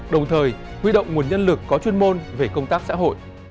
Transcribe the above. đồng thời huy động nguồn nhân lực có chuyên môn về công tác xã hội